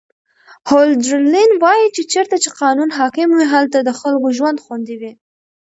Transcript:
هولډرلین وایي چې چیرته چې قانون حاکم وي هلته د خلکو ژوند خوندي وي.